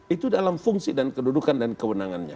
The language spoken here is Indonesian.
itu dalam fungsi dan kedudukan dan kewenangannya